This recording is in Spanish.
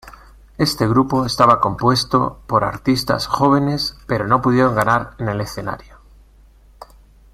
Este grupo estaba compuesto por artistas jóvenes, pero no pudieron ganar en el escenario.